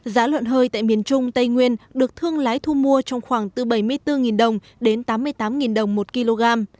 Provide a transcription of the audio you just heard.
giá lợn hơi tại miền trung tây nguyên được thương lái thu mua trong khoảng từ bảy mươi bốn đồng đến tám mươi tám đồng một kg